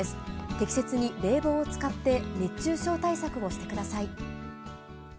適切に冷房を使って、熱中症対策をしてください。